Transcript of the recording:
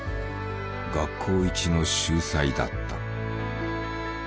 学校一の秀才だった。